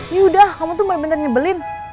yaudah kamu tuh bener bener nyebelin